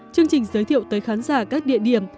chương trình giới thiệu tới khán giả các địa điểm